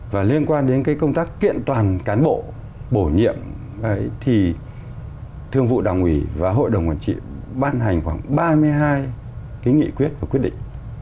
và liên quan đến cái công tác kiện toàn cán bộ bổ nhiệm thì thường vụ đảng ủy và hội đồng quản trị ban hành khoảng ba mươi hai cái nghị quyết và quyết định